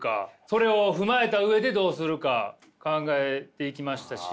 それを踏まえた上でどうするか考えていきましたし。